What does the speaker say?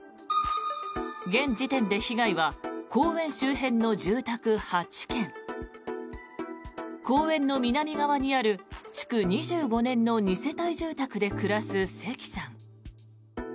現時点で被害は公園周辺の住宅８軒公園の南側にある築２５年の２世帯住宅で暮らす関さん。